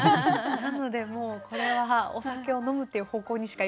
なのでもうこれはお酒を飲むっていう方向にしかいかなかったですね